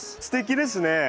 すてきですね。